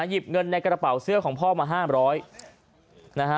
หยิบเงินในกระเป๋าเสื้อของพ่อมา๕๐๐นะฮะ